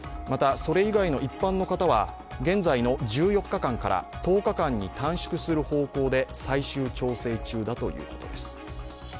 また、それ以外の一般の方は現在の１４日間から１０日間に短縮する方向で最終調整中だということです。